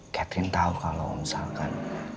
catherine tau kalau misalkan